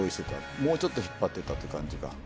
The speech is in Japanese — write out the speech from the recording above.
もうちょっと引っ張ってたとかって感じかな。